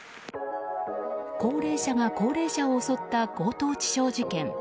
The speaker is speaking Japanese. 高齢者が高齢者を襲った強盗致傷事件。